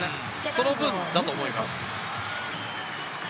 その分だと思います。